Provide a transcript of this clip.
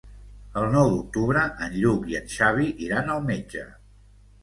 El nou d'octubre en Lluc i en Xavi iran al metge.